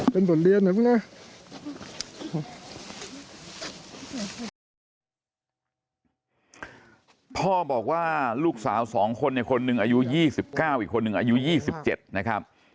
บอกว่าลูกสาวสองคนเนี่ยคนหนึ่งอายุ๒๙อีกคนนึงอายุ๒๗นะครับ